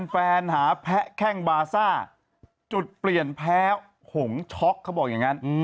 แฟนหาแพ้แข้งบาซ่าจุดเปลี่ยนแพ้หงช็อกเขาบอกอย่างนั้น